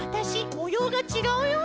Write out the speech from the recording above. もようがちがうよ」